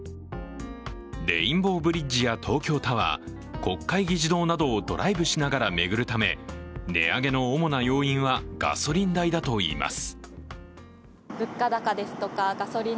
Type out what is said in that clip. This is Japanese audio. レインボーブリッジや東京タワー、国会議事堂などをドライブしながら巡るため値上げの主な要因はガソリン代だといいます。